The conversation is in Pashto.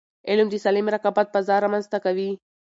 علم د سالم رقابت فضا رامنځته کوي.